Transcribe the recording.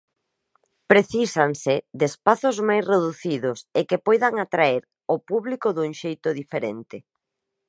Precísanse de espazos máis reducidos e que poidan atraer o público dun xeito diferente.